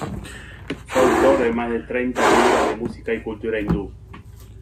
Fue autor de más de treinta libros de música y cultura hindú.